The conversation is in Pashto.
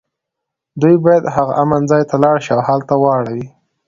دوی باید هغه امن ځای ته ولاړ شي او هلته واړوي